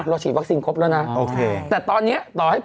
เราฉีดวัคซีนครบแล้วนะ